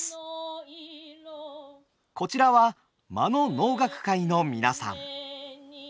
こちらは真野能楽会の皆さん。